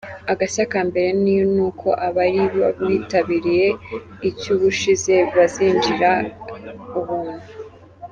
Agashya ka mbere ni uko abari bitabiriye icy’ubushize bazinjirira ubuntu.